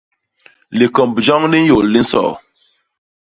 Likomb joñ li nyôl li nsoo.